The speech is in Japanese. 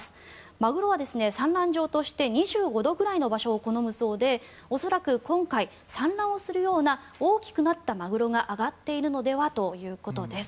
マグロは産卵場として２５度くらいの場所を好むそうで恐らく今回、産卵をするような大きくなったマグロが揚がっているのではということです。